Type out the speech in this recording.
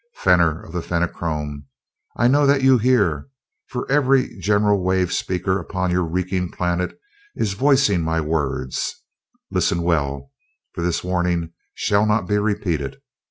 "Fenor of the Fenachrone! I know that you hear, for every general wave speaker upon your reeking planet is voicing my words. Listen well, for this warning shall not be repeated.